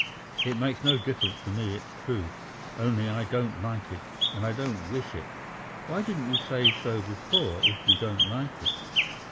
It makes no difference to me, it's true, only I don't like it, and I don't wish it." "Why didn't you say so before, if you don't like it?"